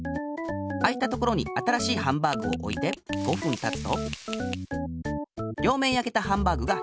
あいたところに新しいハンバーグをおいて５ふんたつと両面やけたハンバーグが１つできあがる。